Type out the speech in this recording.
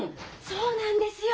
そうなんですよ！